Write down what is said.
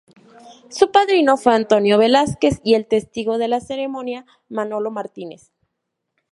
Su padrino fue Antonio Velázquez y el testigo de la ceremonia Manolo Martínez.